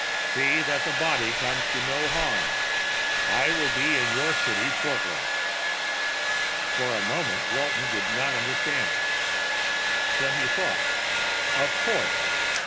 "See that the body comes to no harm. I will be at your city shortly." For a moment Walton did not understand. Then he thought, _Of course.